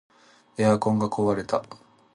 エアコンが壊れた